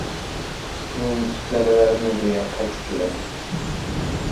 Men... dalalarimni deya, qaytib kelaman!